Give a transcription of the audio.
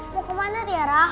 mau ke mana yara